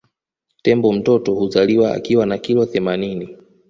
Tembo mtoto huzaliwa akiwa na kilo themanini